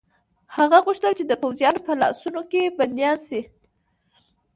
هغه غوښتل چې د پوځیانو په لاسونو کې بندیان شي.